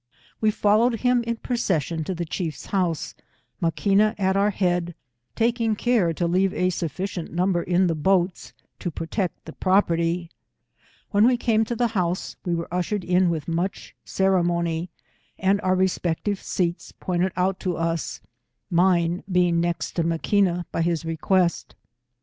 We followed him in procession to the chief's honse, Maquina at our head, taking care to leave a sufficient number in the boats to pro tect the property. When we came to the bouse, we were ushered in with much ceremony, and our re spective seats pointed out to us, mine being next to Maquina by his request.